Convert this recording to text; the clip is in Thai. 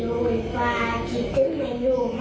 พ่อไม่อยู่เป็นฝ่าคิดถึงแมนยูมากแมนยูคิดถึงพ่อนะ